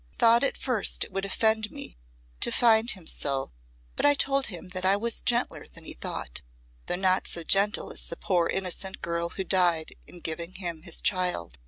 He thought at first it would offend me to find him so; but I told him that I was gentler than he thought though not so gentle as the poor innocent girl who died in giving him his child.